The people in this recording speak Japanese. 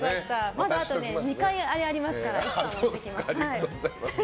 まだあと２回ありますからまた持ってきます。